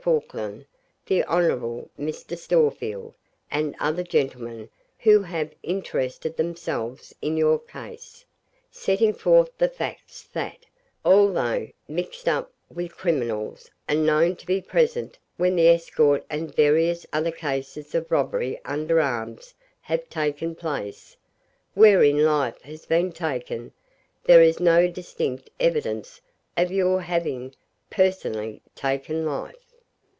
Falkland, the Hon. Mr. Storefield, and other gentlemen who have interested themselves in your case, setting forth the facts that, although mixed up with criminals and known to be present when the escort and various other cases of robbery under arms have taken place, wherein life has been taken, there is no distinct evidence of your having personally taken life.